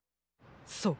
そう！